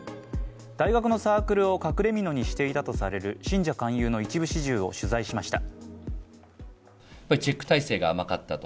大学のサークルを隠れみのにしていたとされる信者勧誘の一部始終を取材しました。